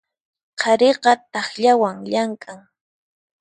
Qhariqa takllawan llamk'an.